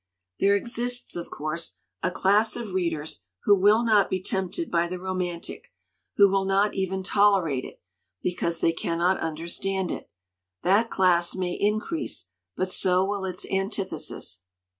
"There exists, of course, a class of readers who will not be tempted by the romantic, who will not even tolerate it, because they cannot understand it. That class may increase, but so will its antithesis.